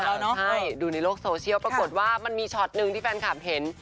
ใช่ดูในโลกโซเชียลปรากฏว่ามันมีช็อตหนึ่งที่แฟนคลับเห็น